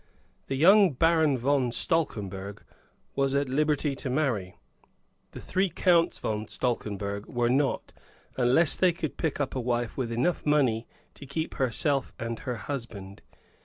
The young Baron von Stalkenberg was at liberty to marry; the three Counts von Stalkenberg were not unless they could pick up a wife with enough money to keep herself and her husband.